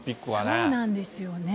そうなんですよね。